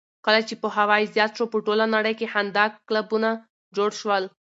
کله چې پوهاوی زیات شو، په ټوله نړۍ کې خندا کلبونه جوړ شول.